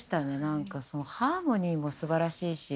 ハーモニーもすばらしいし。